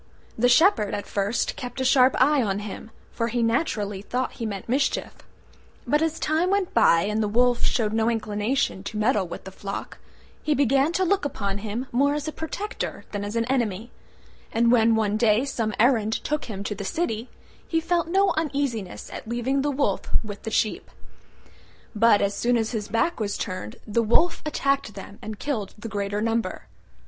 The Shepherd at first kept a sharp eye on him, for he naturally thought he meant mischief: but as time went by and the Wolf showed no inclination to meddle with the flock, he began to look upon him more as a protector than as an enemy: and when one day some errand took him to the city, he felt no uneasiness at leaving the Wolf with the sheep. But as soon as his back was turned the Wolf attacked them and killed the greater number.